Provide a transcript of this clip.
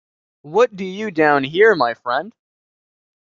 What do you down here, my friend?